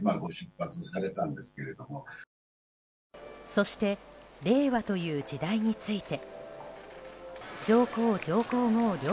そして令和という時代について。